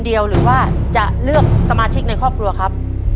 เดียวหรือว่าจะเลือกสมาชิกในครอบครัวครับ